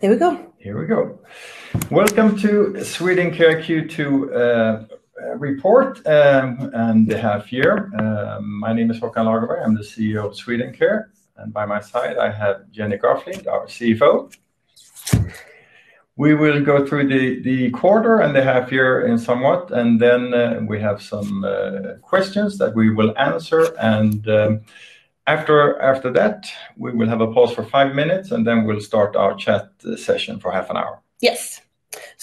There we go. Here we go. Welcome to Swedencare Q2 report and the half year. My name is Håkan Lagerberg. I'm the CEO of Swedencare, and by my side I have Jenny Graflind, our CFO. We will go through the quarter and the half year in somewhat, and then we have some questions that we will answer. After that, we will have a pause for five minutes, and then we'll start our chat session for half an hour. Yes.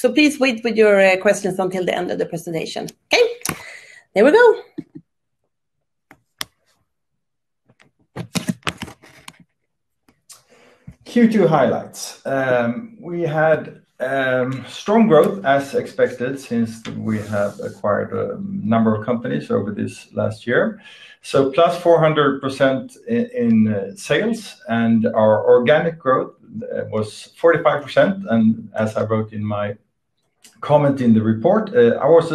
Please wait with your questions until the end of the presentation. Okay? There we go. Q2 highlights. We had strong growth, as expected, since we have acquired a number of companies over this last year. Plus 400% in sales and our organic growth was 45%. As I wrote in my comment in the report, I was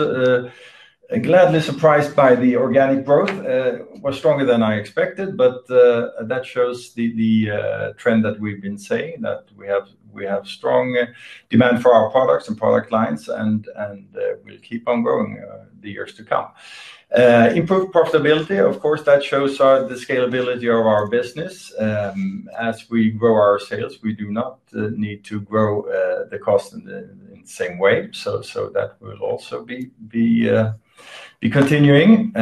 gladly surprised by the organic growth. It was stronger than I expected, but that shows the trend that we've been saying, that we have strong demand for our products and product lines, and we'll keep on growing the years to come. Improved profitability, of course, that shows the scalability of our business. As we grow our sales, we do not need to grow the cost in the same way. That will also be continuing.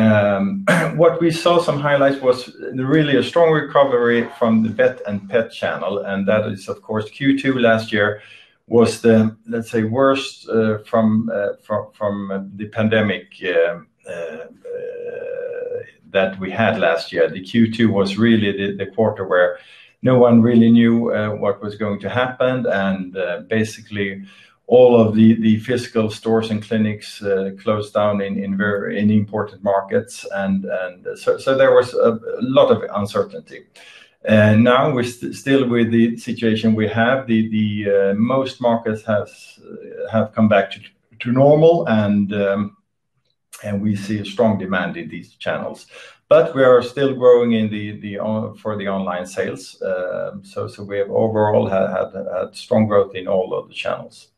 What we saw some highlights was really a strong recovery from the vet and pet channel. That is, of course, Q2 last year was the, let's say, worst from the pandemic that we had last year. The Q2 was really the quarter where no one really knew what was going to happen. Basically all of the physical stores and clinics closed down in important markets. There was a lot of uncertainty. Now, still with the situation we have, most markets have come back to normal. We see a strong demand in these channels. But we are still growing for the online sales. We have overall had strong growth in all of the channels.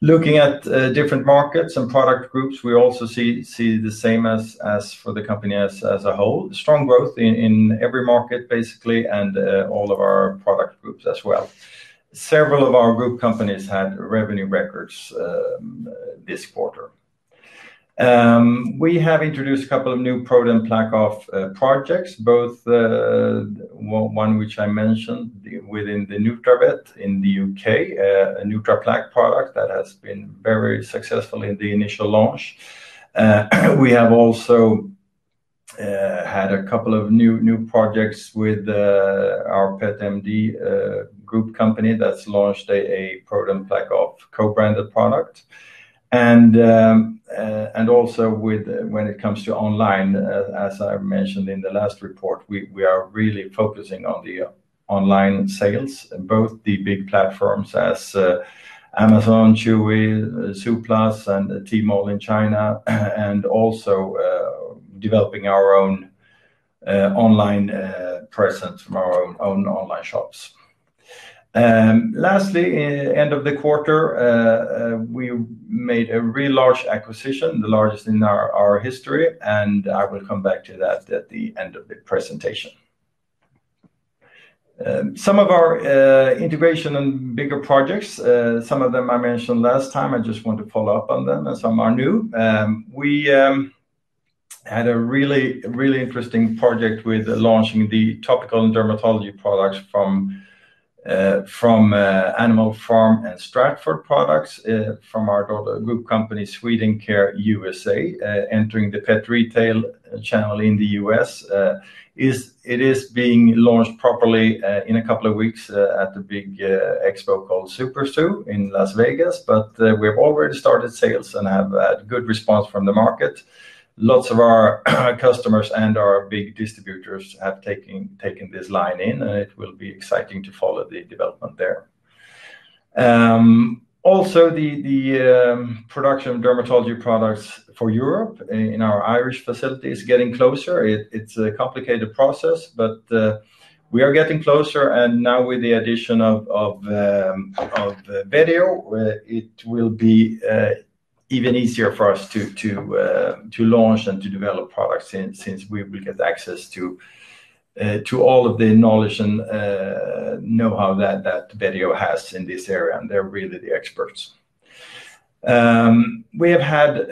Looking at different markets and product groups, we also see the same as for the company as a whole, strong growth in every market, basically, and all of our product groups as well. Several of our group companies had revenue records this quarter. We have introduced a couple of new ProDen PlaqueOff projects, both one which I mentioned within the Nutravet in the U.K., a Nutraplaque product that has been very successful in the initial launch. We have also had a couple of new projects with our Pet MD group company that's launched a ProDen PlaqueOff co-branded product. Also when it comes to online, as I mentioned in the last report, we are really focusing on the online sales, both the big platforms as Amazon, Chewy, Zooplus, and Tmall in China, and also developing our own online presence from our own online shops. Lastly, end of the quarter, we made a really large acquisition, the largest in our history, and I will come back to that at the end of the presentation. Some of our integration and bigger projects, some of them I mentioned last time. I just want to follow up on them, and some are new. We had a really interesting project with launching the topical and dermatology products from Animal Pharmaceuticals and Stratford Animal Care from our group company, SwedencareUSA, entering the pet retail channel in the U.S. It is being launched properly in a couple of weeks at the big expo called SuperZoo in Las Vegas. We've already started sales and have had good response from the market. Lots of our customers and our big distributors have taken this line in, and it will be exciting to follow the development there. Also, the production of dermatology products for Europe in our Irish facility is getting closer. It's a complicated process, but we are getting closer. Now with the addition of Vetio, it will be even easier for us to launch and to develop products since we will get access to all of the knowledge and know-how that Vetio has in this area, and they're really the experts. We had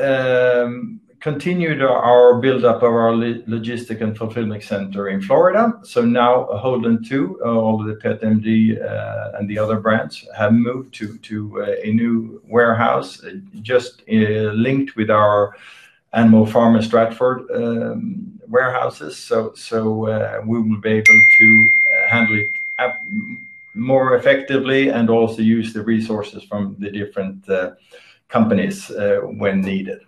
continued our buildup our logistic and fulfillment center in Florida. Now Holden2 of the Pet MD and the other brands have moved to a new warehouse, just linked with our Animal Pharm and Stratford warehouses. We will be able to handle it more effectively and also use the resources from the different companies when needed.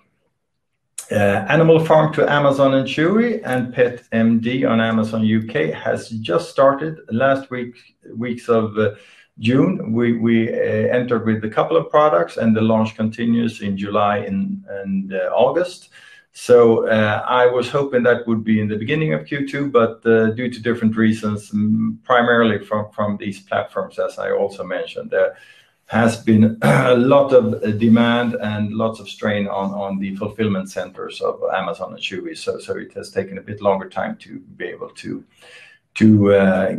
Animal Pharm to Amazon and Chewy and Pet MD on Amazon U.K. has just started last weeks of June. We entered with a couple of products, and the launch continues in July and August. I was hoping that would be in the beginning of Q2, but due to different reasons, primarily from these platforms, as I also mentioned, there has been a lot of demand and lots of strain on the fulfillment centers of Amazon and Chewy. It has taken a bit longer time to be able to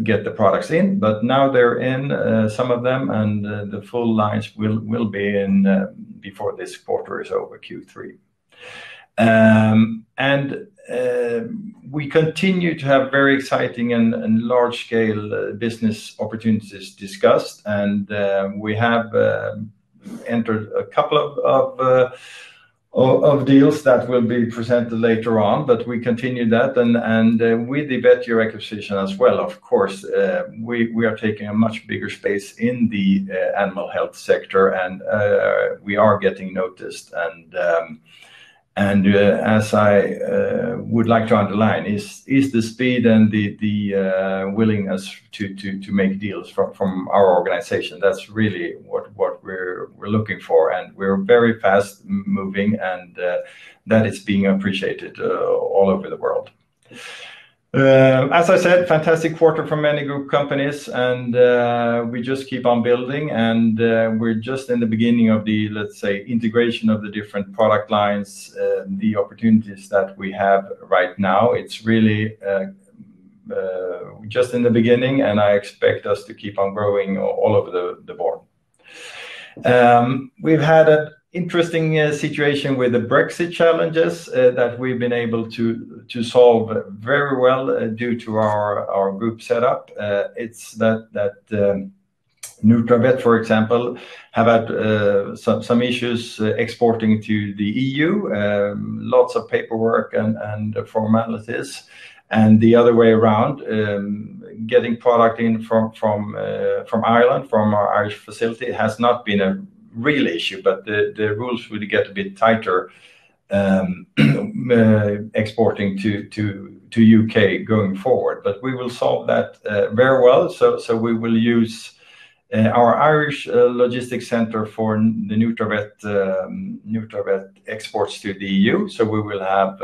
get the products in. Now they're in, some of them, and the full lines will be in before this quarter is over, Q3. We continue to have very exciting and large-scale business opportunities discussed, and we have entered a couple of deals that will be presented later on, but we continue that, and with the Vetio acquisition as well, of course. We are taking a much bigger space in the animal health sector. We are getting noticed. As I would like to underline is the speed and the willingness to make deals from our organization. That's really what we're looking for. We're very fast-moving, and that is being appreciated all over the world. As I said, fantastic quarter from many group companies, and we just keep on building, and we're just in the beginning of the, let's say, integration of the different product lines, the opportunities that we have right now. It's really just in the beginning, and I expect us to keep on growing all over the board. We've had an interesting situation with the Brexit challenges that we've been able to solve very well due to our group setup. It's that Nutravet, for example, have had some issues exporting to the EU. Lots of paperwork and formalities. The other way around, getting product in from Ireland, from our Irish facility, has not been a real issue, but the rules will get a bit tighter exporting to U.K. going forward. We will solve that very well. We will use our Irish logistics center for the Nutravet exports to the E.U. We will have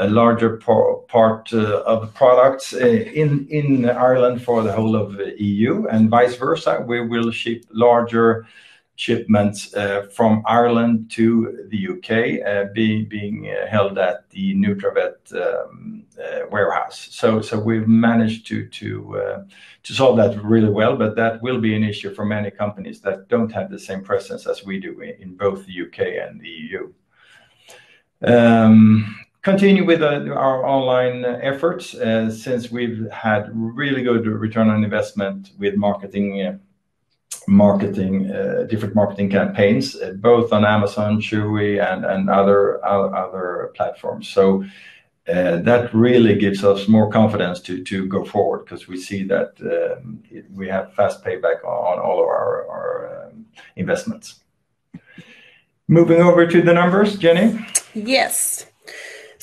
a larger part of products in Ireland for the whole of E.U. and vice versa. We will ship larger shipments from Ireland to the U.K., being held at the Nutravet warehouse. We've managed to solve that really well, but that will be an issue for many companies that don't have the same presence as we do in both the U.K. and the E.U. Continue with our online efforts, since we've had really good return on investment with different marketing campaigns, both on Amazon, Chewy, and other platforms. That really gives us more confidence to go forward because we see that we have fast payback on all of our investments. Moving over to the numbers, Jenny. Yes.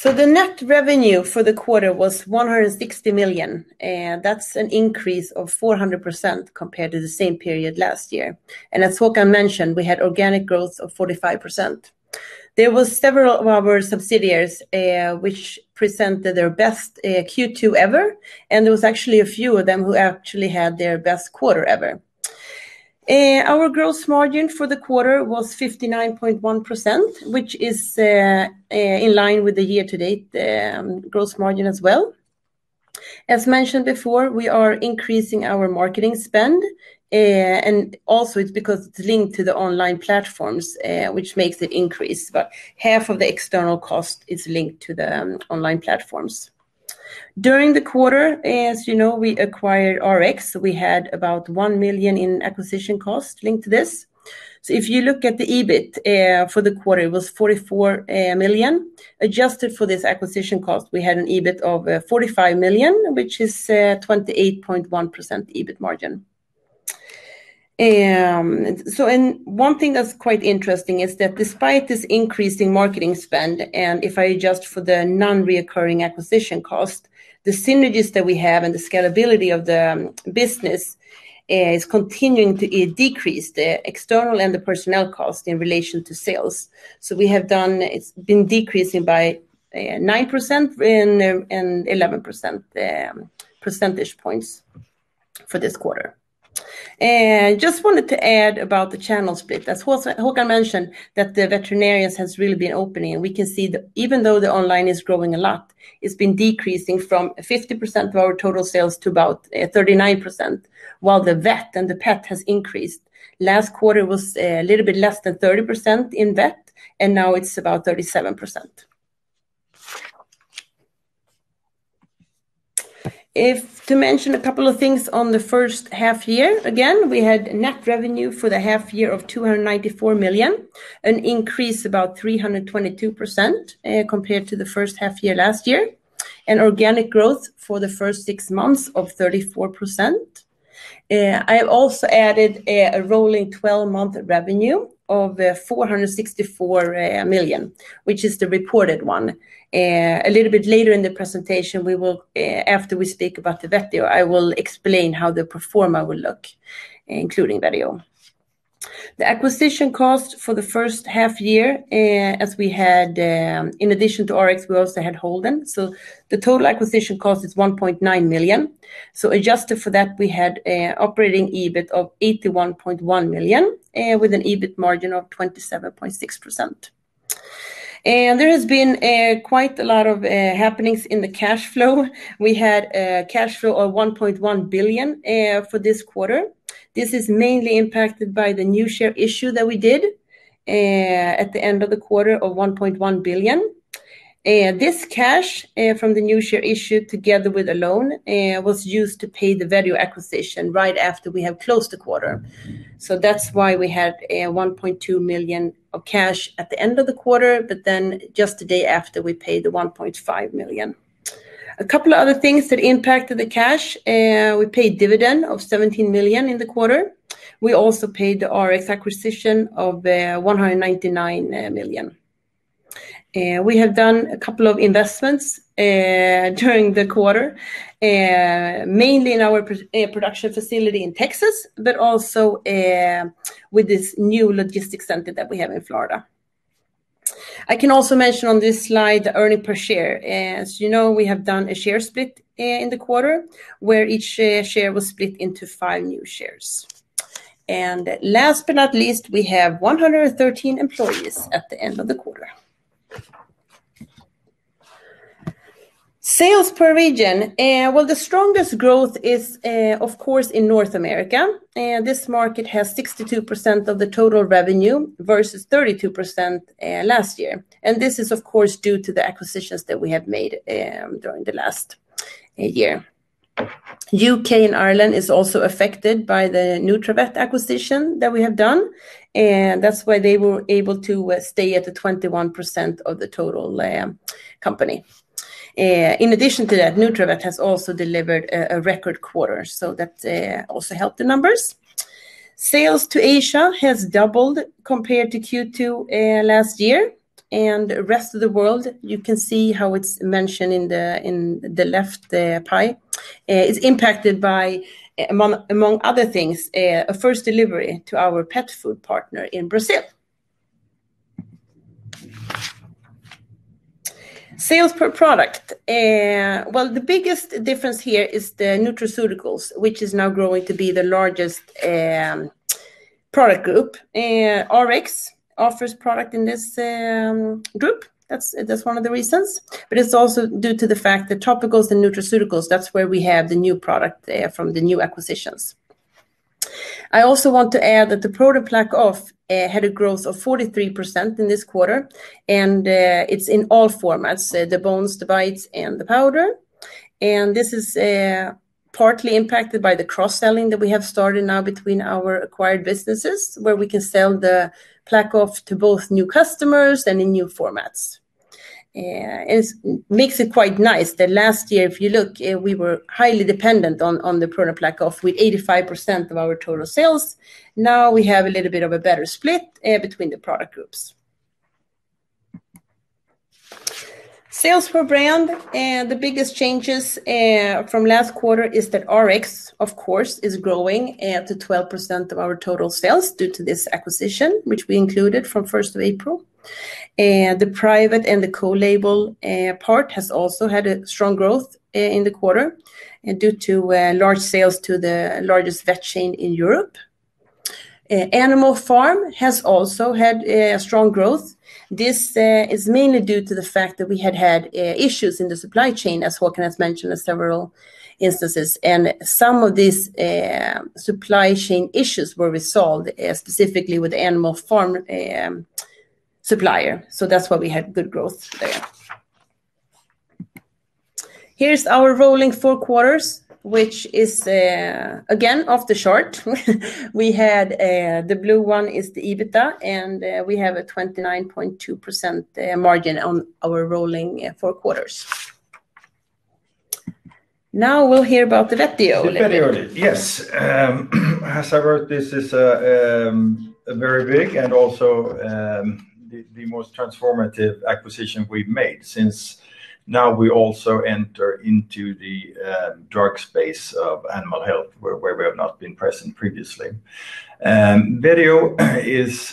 The net revenue for the quarter was 160 million, and that's an increase of 400% compared to the same period last year. As Håkan mentioned, we had organic growth of 45%. There was several of our subsidiaries which presented their best Q2 ever, and there was actually a few of them who actually had their best quarter ever. Our growth margin for the quarter was 59.1%, which is in line with the year-to-date growth margin as well. As mentioned before, we are increasing our marketing spend, it's because it's linked to the online platforms, which makes it increase. Half of the external cost is linked to the online platforms. During the quarter, as you know, we acquired Rx. We had about 1 million in acquisition cost linked to this. If you look at the EBIT for the quarter, it was 44 million. Adjusted for this acquisition cost, we had an EBIT of 45 million, which is 28.1% EBIT margin. One thing that's quite interesting is that despite this increase in marketing spend, if I adjust for the non-recurring acquisition cost, the synergies that we have and the scalability of the business is continuing to decrease the external and the personnel cost in relation to sales. It's been decreasing by 9% and 11 percentage points for this quarter. Just wanted to add about the channel split. As Håkan mentioned, that the veterinarians has really been opening, and we can see even though the online is growing a lot, it's been decreasing from 50% of our total sales to about 39%, while the vet and the pet has increased. Last quarter was a little bit less than 30% in vet, and now it's about 37%. If to mention a couple of things on the first half year, again, we had net revenue for the half year of 294 million, an increase about 322% compared to the first half year last year. Organic growth for the first six months of 34%. I have also added a rolling 12-month revenue of 464 million, which is the reported one. A little bit later in the presentation, after we speak about the Vetio, I will explain how the pro forma will look, including Vetio. The acquisition cost for the first half year, as we had in addition to Rx, we also had Holden2, the total acquisition cost is 1.9 million. Adjusted for that, we had operating EBIT of 81.1 million, with an EBIT margin of 27.6%. There has been quite a lot of happenings in the cash flow. We had a cash flow of 1.1 billion for this quarter. This is mainly impacted by the new share issue that we did at the end of the quarter of 1.1 billion. This cash from the new share issue, together with a loan, was used to pay the Vetio acquisition right after we have closed the quarter. That's why we had 1.2 million of cash at the end of the quarter, just the day after, we paid the 1.5 million. A couple of other things that impacted the cash, we paid dividend of 17 million in the quarter. We also paid the Rx acquisition of 199 million. We have done a couple of investments during the quarter, mainly in our production facility in Texas, but also with this new logistics center that we have in Florida. I can also mention on this slide the earning per share. As you know, we have done a share split in the quarter, where each share was split into five new shares. Last but not least, we have 113 employees at the end of the quarter. Sales per region. Well, the strongest growth is, of course, in North America. This market has 62% of the total revenue versus 32% last year. This is, of course, due to the acquisitions that we have made during the last year. U.K. and Ireland is also affected by the Nutravet acquisition that we have done. That's why they were able to stay at the 21% of the total company. In addition to that, Nutravet has also delivered a record quarter, that also helped the numbers. Sales to Asia has doubled compared to Q2 last year. Rest of the world, you can see how it's mentioned in the left pie. It's impacted by, among other things, a first delivery to our pet food partner in Brazil. Sales per product. Well, the biggest difference here is the nutraceuticals, which is now growing to be the largest product group. Rx offers product in this group. That's one of the reasons. It's also due to the fact that topicals and nutraceuticals, that's where we have the new product from the new acquisitions. I also want to add that the ProDen PlaqueOff had a growth of 43% in this quarter, and it's in all formats, the bones, the bites, and the powder. This is partly impacted by the cross-selling that we have started now between our acquired businesses, where we can sell the PlaqueOff to both new customers and in new formats. It makes it quite nice that last year, if you look, we were highly dependent on the ProDen PlaqueOff with 85% of our total sales. Now we have a little bit of a better split between the product groups. Sales per brand. The biggest changes from last quarter is that Rx, of course, is growing to 12% of our total sales due to this acquisition, which we included from 1st of April. The private and the co-label part has also had a strong growth in the quarter due to large sales to the largest vet chain in Europe. Animal Pharm has also had a strong growth. This is mainly due to the fact that we had had issues in the supply chain, as Håkan has mentioned at several instances. Some of these supply chain issues were resolved specifically with Animal Pharm supplier. That's why we had good growth there. Here's our rolling four quarters, which is, again, off the chart. The blue one is the EBITDA, and we have a 29.2% margin on our rolling four quarters. Now we'll hear about the Vetio a little bit. Vetio. Yes. As I wrote, this is a very big and also the most transformative acquisition we've made since now we also enter into the drug space of animal health, where we have not been present previously. Vetio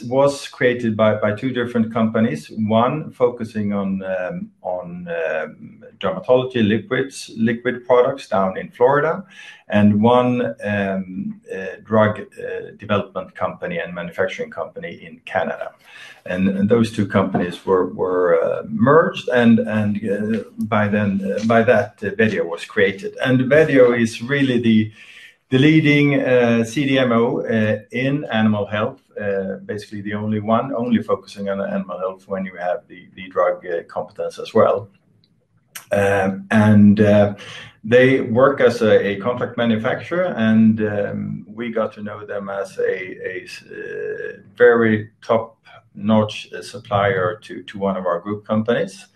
was created by two different companies, one focusing on dermatology liquid products down in Florida, and one drug development company and manufacturing company in Canada. Those two companies were merged, and by that, Vetio was created. Vetio is really the leading CDMO in animal health. Basically the only one only focusing on animal health when you have the drug competence as well. They work as a contract manufacturer, and we got to know them as a very top-notch supplier to one of our group companies.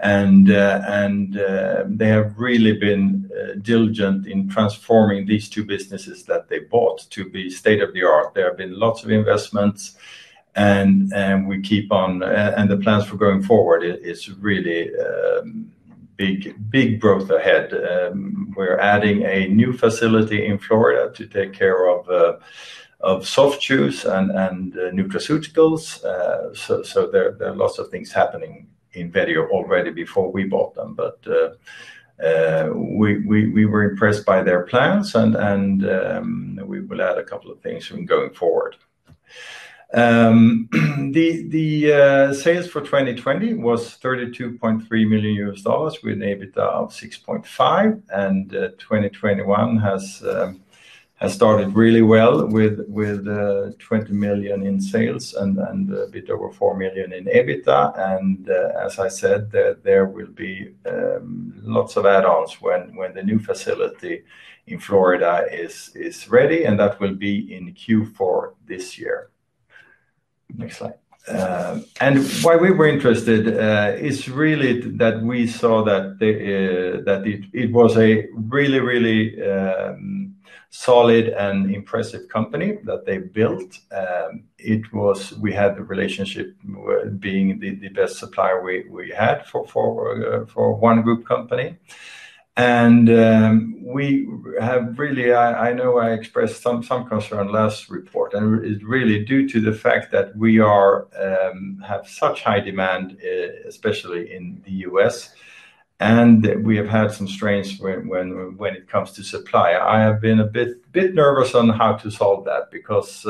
They have really been diligent in transforming these two businesses that they bought to be state-of-the-art. There have been lots of investments, the plans for going forward is really big growth ahead. We're adding a new facility in Florida to take care of soft chews and nutraceuticals. There are lots of things happening in Vetio already before we bought them. We were impressed by their plans and we will add a couple of things going forward. The sales for 2020 was $32.3 million with an EBITDA of $6.5 million, 2021 has started really well with $20 million in sales and a bit over $4 million in EBITDA. As I said, there will be lots of add-ons when the new facility in Florida is ready, that will be in Q4 this year. Next slide. Why we were interested is really that we saw that it was a really solid and impressive company that they built. We had the relationship being the best supplier we had for one group company. Really, I know I expressed some concern last report, and it's really due to the fact that we have such high demand, especially in the U.S., and we have had some strains when it comes to supply. I have been a bit nervous on how to solve that because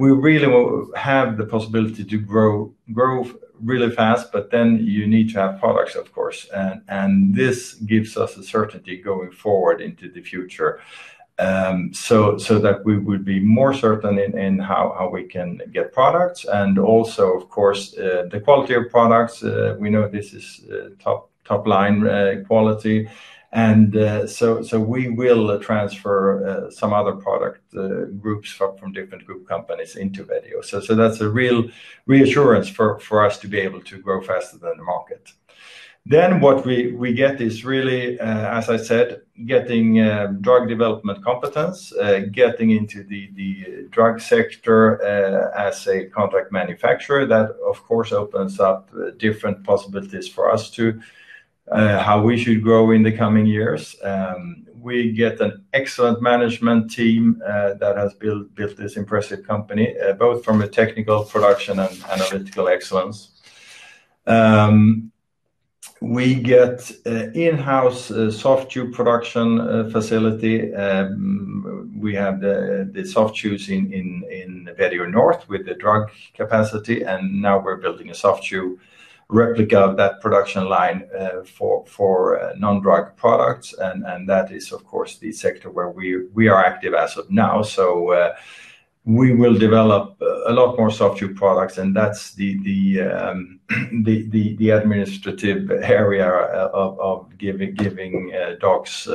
we really have the possibility to grow really fast. You need to have products, of course, and this gives us a certainty going forward into the future, so that we would be more certain in how we can get products and also, of course, the quality of products. We know this is top-line quality. We will transfer some other product groups from different group companies into Vetio. That's a real reassurance for us to be able to grow faster than the market. What we get is really, as I said, getting drug development competence, getting into the drug sector as a contract manufacturer. That, of course, opens up different possibilities for us to how we should grow in the coming years. We get an excellent management team that has built this impressive company, both from a technical production and analytical excellence. We get in-house soft chew production facility. We have the soft chews in Vetio North with the drug capacity, and now we're building a soft chew replica of that production line for non-drug products. That is, of course, the sector where we are active as of now. We will develop a lot more soft chew products, and that's the administrative area of giving dogs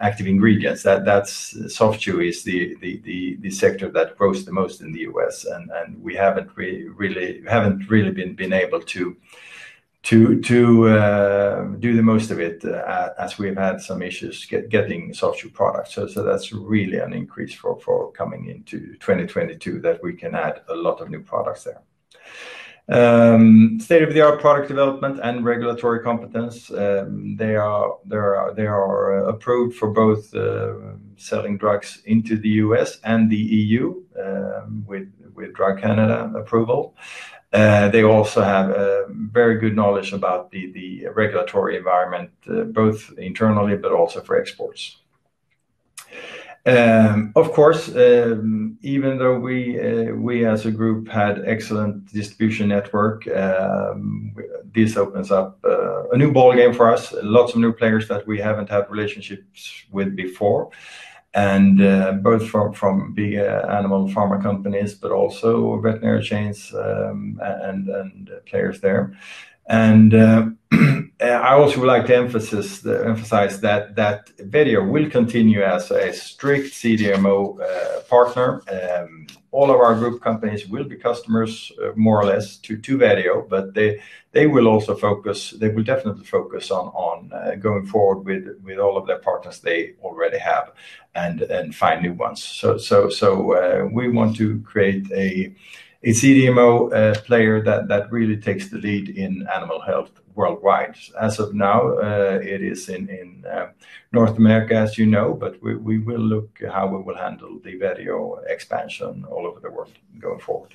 active ingredients. Soft chew is the sector that grows the most in the U.S., and we haven't really been able to do the most of it as we have had some issues getting soft chew products. That's really an increase for coming into 2022 that we can add a lot of new products there. State-of-the-art product development and regulatory competence. They are approved for both selling drugs into the U.S. and the EU with Health Canada approval. They also have very good knowledge about the regulatory environment, both internally but also for exports. Of course, even though we as a group had excellent distribution network, this opens up a new ballgame for us. Lots of new players that we haven't had relationships with before, both from big animal pharma companies, but also veterinary chains and players there. I also would like to emphasize that Vetio will continue as a strict CDMO partner. All of our group companies will be customers more or less to Vetio, but they will definitely focus on going forward with all of their partners they already have and find new ones. We want to create a CDMO player that really takes the lead in animal health worldwide. As of now, it is in North America, as you know. We will look how we will handle the Vetio expansion all over the world going forward.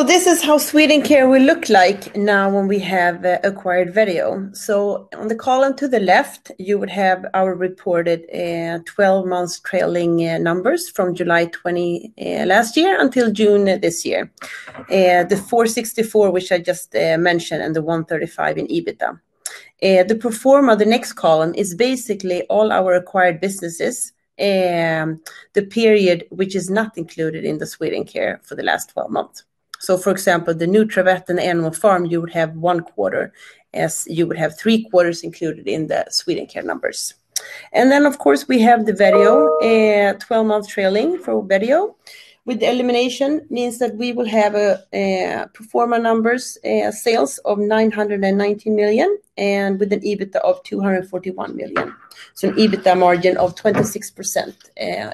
This is how Swedencare will look like now when we have acquired Vetio. On the column to the left, you would have our reported 12 months trailing numbers from July 20 last year until June this year. The 464 million, which I just mentioned, and the 135 million in EBITDA. The pro forma, the next column, is basically all our acquired businesses, the period which is not included in the Swedencare for the last 12 months. The Nutravet and Animal Pharmaceuticals, you would have one quarter as you would have three quarters included in the Swedencare numbers. We have the Vetio, 12-month trailing for Vetio. With the elimination means that we will have pro forma numbers sales of 990 million and with an EBITDA of 241 million. An EBITDA margin of 26%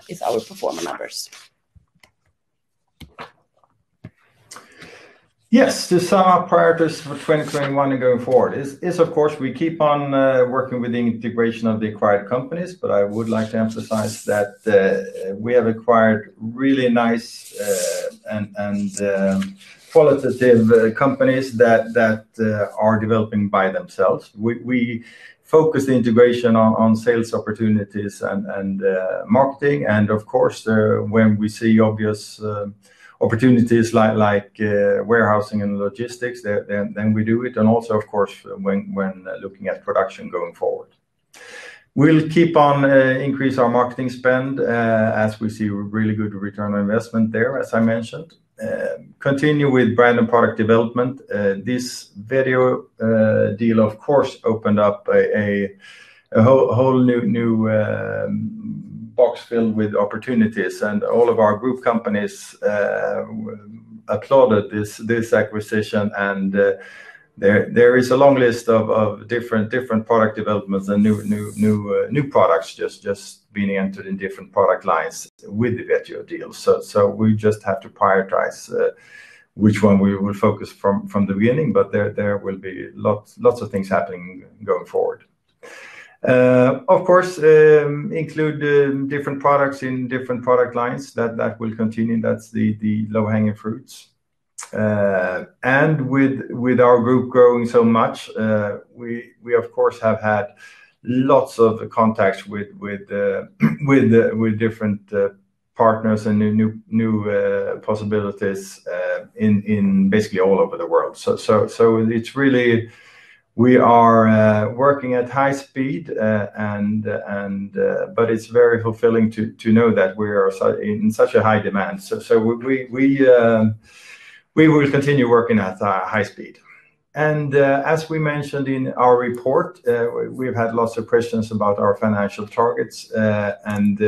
is our pro forma numbers. Yes, the top priorities for 2021 and going forward is, of course, we keep on working with the integration of the acquired companies, but I would like to emphasize that we have acquired really nice and qualitative companies that are developing by themselves. We focus the integration on sales opportunities and marketing and, of course, when we see obvious opportunities like warehousing and logistics, then we do it, also, of course, when looking at production going forward. We'll keep on increase our marketing spend as we see really good Return of Investment there, as I mentioned. Continue with brand and product development. This Vetio deal, of course, opened up a whole new box filled with opportunities, and all of our group companies applauded this acquisition, and there is a long list of different product developments and new products just being entered in different product lines with the Vetio deal. We just have to prioritize which one we will focus from the beginning, but there will be lots of things happening going forward. Of course, include different products in different product lines, that will continue. That's the low-hanging fruits. With our group growing so much, we, of course, have had lots of contacts with different partners and new possibilities in basically all over the world. We are working at high speed, but it's very fulfilling to know that we are in such a high demand. We will continue working at high speed. As we mentioned in our report, we've had lots of questions about our financial targets, and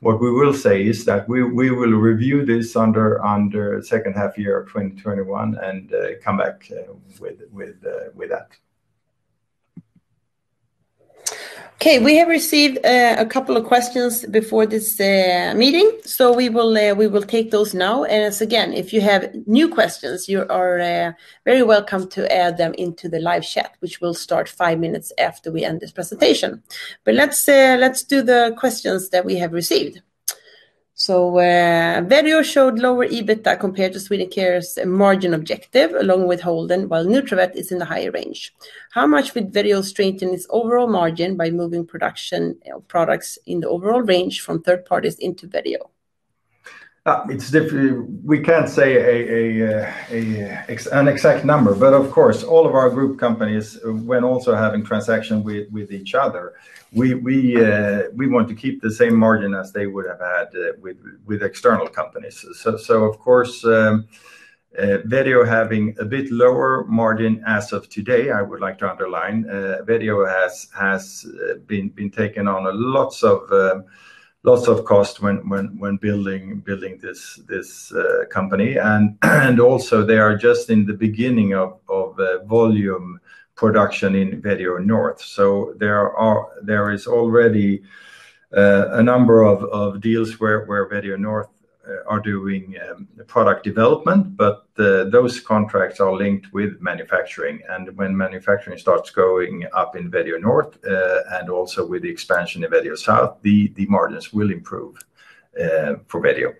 what we will say is that we will review this under second half year of 2021 and come back with that. We have received a couple of questions before this meeting. We will take those now. If you have new questions, you are very welcome to add them into the live chat, which will start five minutes after we end this presentation. Let's do the questions that we have received. Vetio showed lower EBITDA compared to Swedencare's margin objective along with Holden, while Nutravet is in the higher range. How much would Vetio strengthen its overall margin by moving production of products in the overall range from third parties into Vetio? We can't say an exact number. Of course, all of our group companies when also having transactions with each other, we want to keep the same margin as they would have had with external companies. Of course, Vetio having a bit lower margin as of today, I would like to underline, Vetio has been taken on lots of cost when building this company. Also they are just in the beginning of volume production in Vetio North. There is already a number of deals where Vetio North are doing product development. Those contracts are linked with manufacturing. When manufacturing starts going up in Vetio North, and also with the expansion of Vetio South, the margins will improve for Vetio.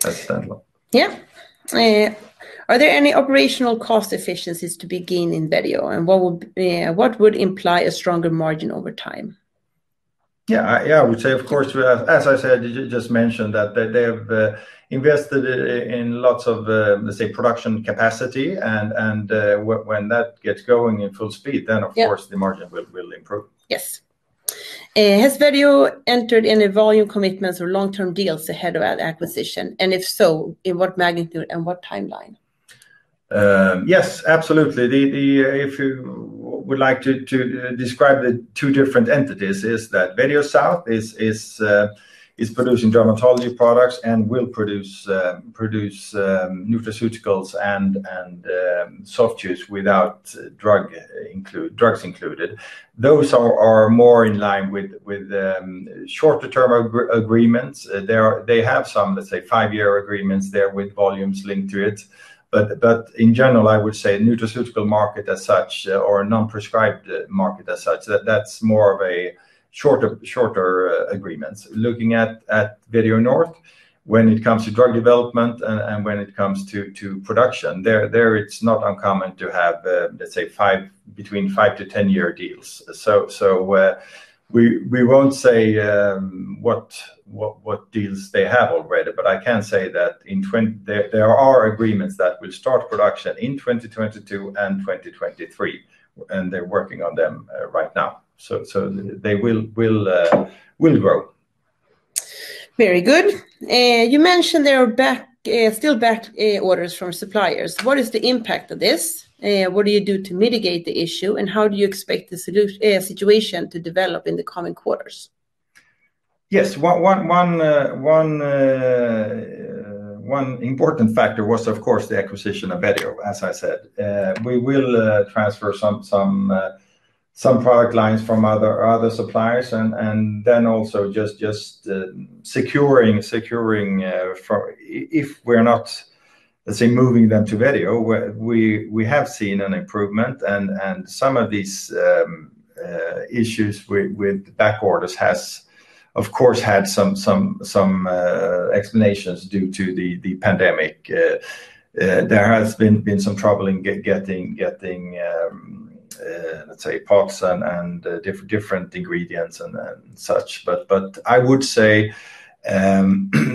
That's that one. Yeah. Are there any operational cost efficiencies to be gained in Vetio? What would imply a stronger margin over time? Yeah, as I said, I just mentioned that they have invested in lots of, let's say, production capacity and when that gets going in full speed, then of course the margin will improve. Yes. Has Vetio entered any volume commitments or long-term deals ahead of that acquisition, and if so, in what magnitude and what timeline? Yes, absolutely. If you would like to describe the two different entities is that Vetio South is producing dermatology products and will produce nutraceuticals and soft chews without drugs included. Those are more in line with shorter-term agreements. They have some, let's say, five year agreements there with volumes linked to it. In general, I would say nutraceutical market as such or non-prescribed market as such, that's more of a shorter agreements. Looking at Vetio North, when it comes to drug development and when it comes to production, there it's not uncommon to have, let's say, between 5-10 year deals. We won't say what deals they have already, but I can say that there are agreements that will start production in 2022 and 2023, and they're working on them right now. They will grow Very good. You mentioned there are still back orders from suppliers. What is the impact of this? What do you do to mitigate the issue, and how do you expect the situation to develop in the coming quarters? Yes. One important factor was, of course, the acquisition of Vetio, as I said. We will transfer some product lines from other suppliers, and then also just securing, if we're not, let's say, moving them to Vetio, we have seen an improvement and some of these issues with back orders has, of course, had some explanations due to the pandemic. There has been some trouble in getting parts and different ingredients and such. I would say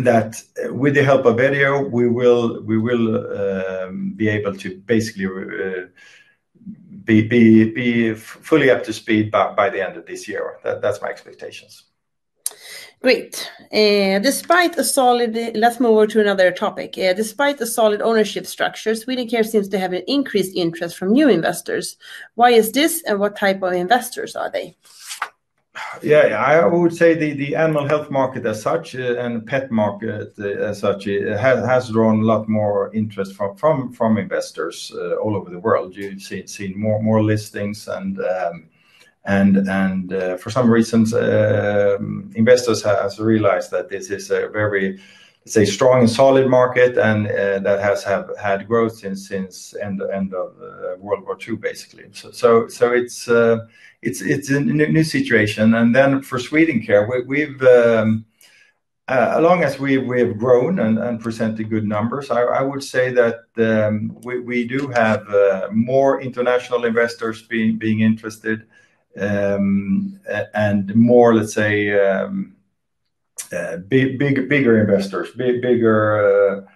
that with the help of Vetio, we will be able to basically be fully up to speed by the end of this year. That's my expectations. Great. Let's move on to another topic. Despite the solid ownership structure, Swedencare seems to have an increased interest from new investors. Why is this, and what type of investors are they? I would say the animal health market as such and pet market as such has drawn a lot more interest from investors all over the world. You've seen more listings and for some reasons, investors have realized that this is a very strong, solid market and that has had growth since end of World War II, basically. It's a new situation. For Swedencare, as long as we have grown and presented good numbers, I would say that we do have more international investors being interested, and more bigger investors, bigger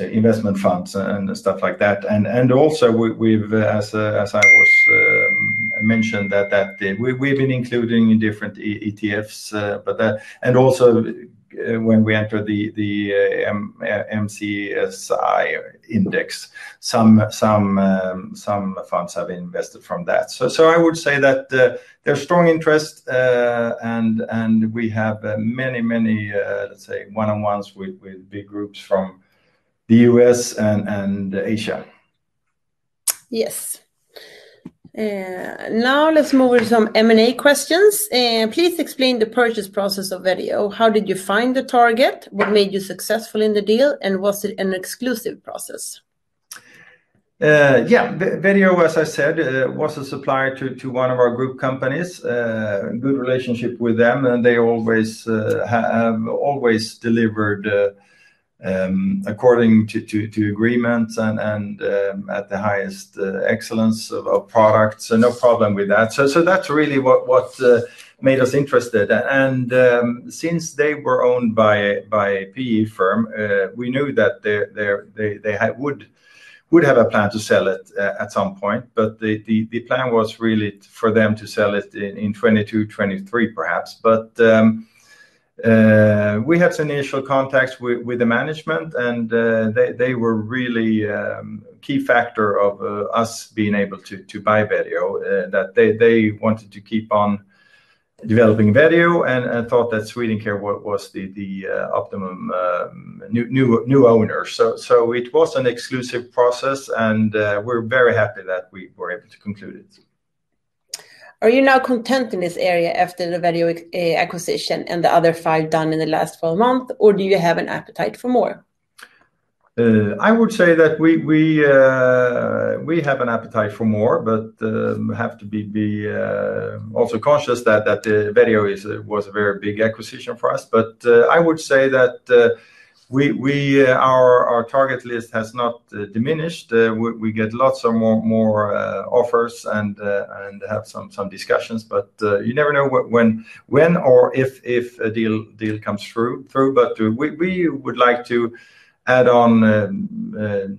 investment funds and stuff like that. Also, as I mentioned, that we've been including different ETFs, and also when we enter the MSCI index, some funds have invested from that. I would say that there's strong interest, and we have many, let's say, one-on-ones with big groups from the U.S. and Asia. Yes. Let's move on to some M&A questions. Please explain the purchase process of Vetio. How did you find the target? What made you successful in the deal, and was it an exclusive process? Yeah. Vetio, as I said, was a supplier to one of our group companies, good relationship with them, and they have always delivered according to agreements and at the highest excellence of products. No problem with that. That's really what made us interested. Since they were owned by a PE firm, we knew that they would have a plan to sell it at some point. The plan was really for them to sell it in 2022-2023, perhaps. We had some initial contacts with the management, and they were really a key factor of us being able to buy Vetio, that they wanted to keep on developing Vetio and thought that Swedencare was the optimum new owner. It was an exclusive process, and we're very happy that we were able to conclude it. Are you now content in this area after the Vetio acquisition and the other five done in the last 12 months, or do you have an appetite for more? I would say that we have an appetite for more, but have to be also cautious that Vetio was a very big acquisition for us. I would say that our target list has not diminished. We get lots of more offers and have some discussions, but you never know when or if a deal comes through. We would like to add on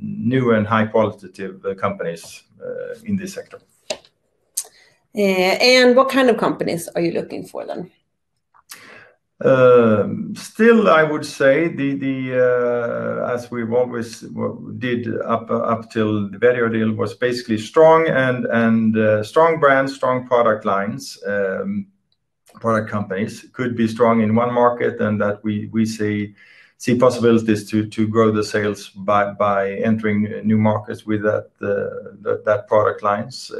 new and high-qualitative companies in this sector. What kind of companies are you looking for, then? Still I would say as we always did up till the Vetio deal, was basically strong brands, strong product lines, product companies. Could be strong in one market and that we see possibilities to grow the sales by entering new markets with those product lines.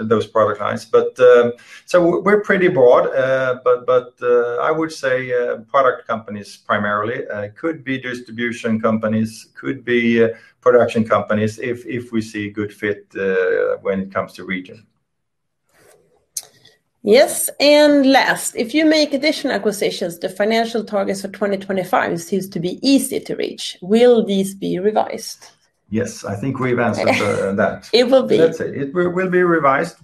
We're pretty broad, but I would say product companies primarily. Could be distribution companies, could be production companies if we see a good fit when it comes to region. Yes and last. If you make additional acquisitions, the financial targets for 2025 seem to be easy to reach. Will these be revised? Yes. I think we've answered that. It will be. Let's say it will be revised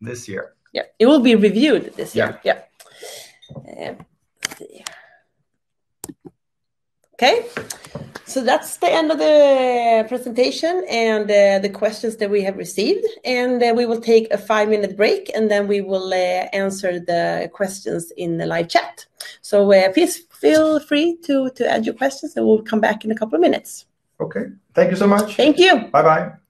this year. Yeah. It will be reviewed this year. Yeah. Yeah. Let's see here. Okay. That's the end of the presentation and the questions that we have received. We will take a five minute break, and then we will answer the questions in the live chat. Please feel free to add your questions, and we'll come back in a couple of minutes. Okay. Thank you so much. Thank you. Bye-bye.